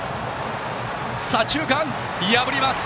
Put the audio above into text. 左中間を破ります！